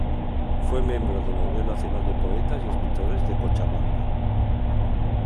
Fue miembro de la Unión Nacional de Poetas y Escritores de Cochabamba.